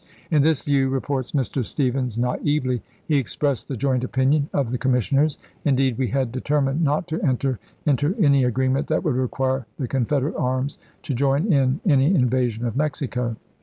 " In this view," reports Mr. Stephens naively, " he expressed the joint opinion of the commissioners ; indeed, we had determined not to enter into any agreement that would require the Confederate arms to join in any invasion of ibid., P. 608. Mexico."